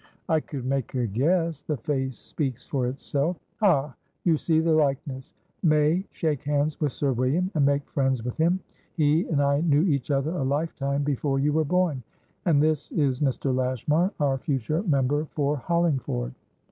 "I could make a guess. The face speaks for itself." "Ha! You see the likeness! May, shake hands with Sir William, and make friends with him; he and I knew each other a lifetime before you were born. And this is Mr. Lashmar, our future Member for Hollingford."